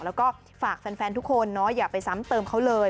แล้วก็ฝากแฟนทุกคนเนาะอย่าไปซ้ำเติมเขาเลย